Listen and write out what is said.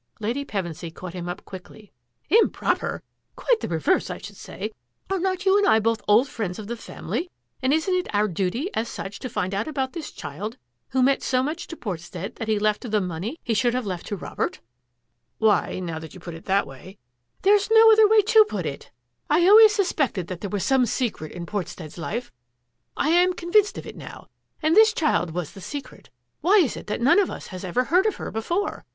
Lady Pevensy caught him up quickly. " Im proper ! Quite the reverse, I should say. Are not you and I both old friends of the family, and isn't it our duty as such to find out about this child who meant so much to Portstead that he left her the money he should have left to Robert? "" Why, now that you put it that way —"" There's no other way to put it ! I always sus A GAME OF PIQUET 161 pected that there was some secret in Portstead's life ; I am convinced of it now — and this child was the secret. Why is it that none of us has ever heard of her before?